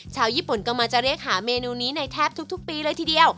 ชาวญี่ปุ่นกำลังจะเรียกหาเมนูนี้ในแทบทุกปีเลยทีเดียว